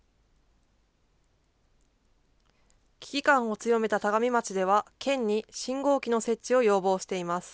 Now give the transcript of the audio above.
危機感を強めた田上町では、県に信号機の設置を要望しています。